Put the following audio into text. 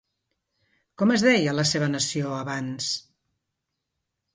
Com es deia la seva nació abans?